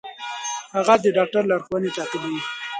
هغه د ډاکټر لارښوونې تعقیبوي.